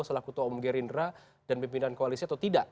selaku toom gerindra dan pimpinan koalisi atau tidak